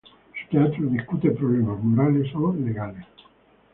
Su teatro discute problemas morales o legales.